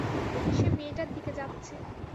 সে মেয়েটার দিকে যাচ্ছে।